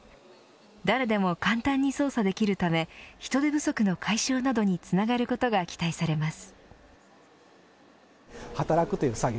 誰でも簡単に操作できるため人手不足の解消などにつながることが期待されます。